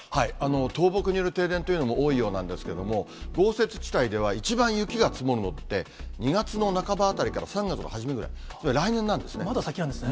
倒木による停電というのも多いようなんですけれども、豪雪地帯では一番雪が積もるのって、２月の半ばあたりから３月の初めぐらい、まだ先なんですね。